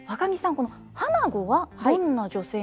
この花子はどんな女性なんですか？